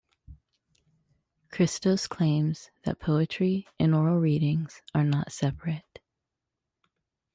Chrystos claims that poetry and oral readings are not separate.